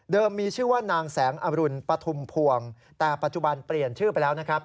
มีชื่อว่านางแสงอรุณปฐุมพวงแต่ปัจจุบันเปลี่ยนชื่อไปแล้วนะครับ